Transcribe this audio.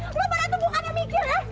lo pada itu bukan yang mikir ya